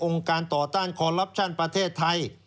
การต่อต้านคอลลับชั่นประเทศไทย